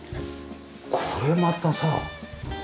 これまたさあ。